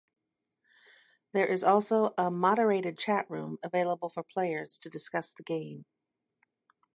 There is also a moderated chat room available for players to discuss the game.